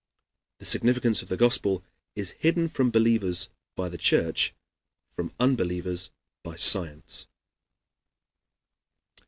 The significance of the Gospel is hidden from believers by the Church, from unbelievers by Science.